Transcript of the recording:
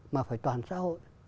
mà phải toàn xã hội